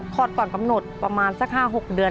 ก่อนกำหนดประมาณสัก๕๖เดือน